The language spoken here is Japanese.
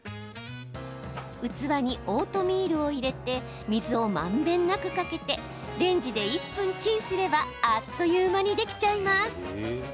器にオートミールを入れて水をまんべんなくかけてレンジで１分チンすればあっという間にできちゃいます。